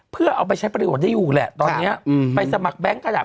เพื่อเอาไปใช้ประโยชน์ได้อยู่แหละตอนนี้ไปสมัครแก๊งกระดาษ